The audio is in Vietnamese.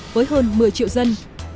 với hơn một mươi triệu dân